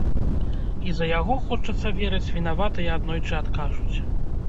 І за яго, хочацца верыць, вінаватыя аднойчы адкажуць.